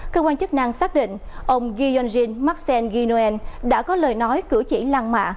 cơ quan chức năng xác định ông giyonjin maksen ginoen đã có lời nói cử chỉ lan mạ